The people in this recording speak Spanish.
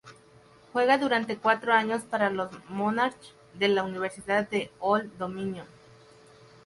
Juega durante cuatro años para los "Monarchs" de la Universidad de Old Dominion.